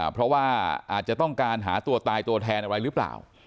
เพราะว่าอาจจะต้องการหาตัวตายตัวแทนอะไรหรือเปล่า